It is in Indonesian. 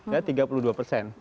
ya tiga puluh dua persen